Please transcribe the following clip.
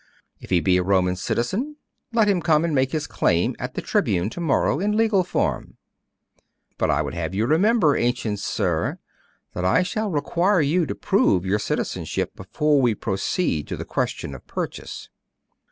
'If he be a Roman citizen, let him come and make his claim at the tribune to morrow, in legal form. But I would have you remember, ancient sir, that I shall require you to prove your citizenship before we proceed to the question of purchase.